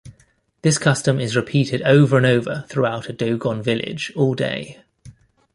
This custom is repeated over and over, throughout a Dogon village, all day.